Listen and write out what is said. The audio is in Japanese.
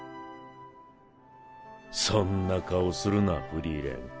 そんな顔するなフリーレン。